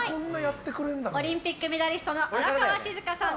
オリンピックメダリストの荒川静香さん